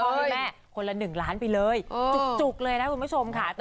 ให้พ่อคนแม่คนละ๑ล้านบาทไปเลยมาจุกเลยนะคุณผู้ชมค่ะ